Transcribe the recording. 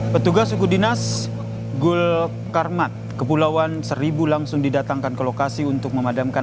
petugas suku dinas gul karmat kepulauan seribu langsung didatangkan ke lokasi untuk memadamkan